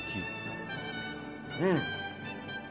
うん！